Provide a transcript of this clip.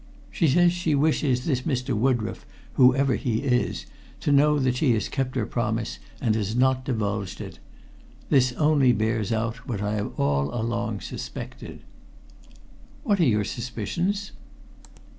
"She says she wishes this Mr. Woodroffe, whoever he is, to know that she has kept her promise and has not divulged it. This only bears out what I have all along suspected." "What are your suspicions?"